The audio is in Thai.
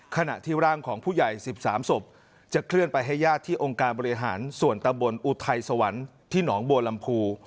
ขณะที่ร่างของผู้ใหญ่๑๓ศพจะเคลื่อนไปให้ญาติที่องค์การบริหารส่วนตำบลอุทัยสวรรค์ที่หนองบัวลำพู